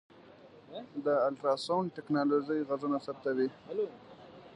د الټراسونډ ټکنالوژۍ غږونه ثبتوي.